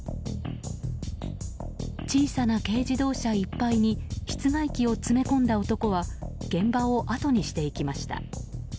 小さな軽自動車いっぱいに室外機を詰め込んだ男は現場をあとにしていきました。